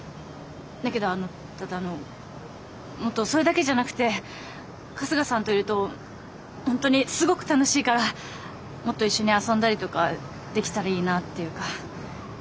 だけどあのただあのそれだけじゃなくて春日さんといると本当にすごく楽しいからもっと一緒に遊んだりとかできたらいいなあっていうか。